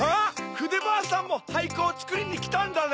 ふでばあさんもはいくをつくりにきたんだね！